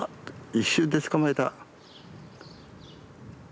一瞬で捕まえた。